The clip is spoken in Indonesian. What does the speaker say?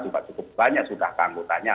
juga cukup banyak sudah keanggotanya